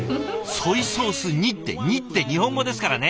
「ソイソース煮」って「煮」って日本語ですからね。